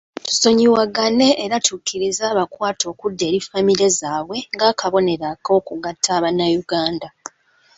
Tusonyiwagane era tukkirize abakwate okudda eri famire zaabwe ng'akabonero ak'okugatta bannayuganda.